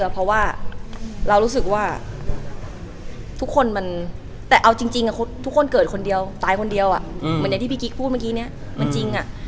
พูดเมื่อกี้เนี่ยมันจริงอะ